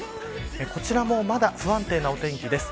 こちらもまだ不安定なお天気です。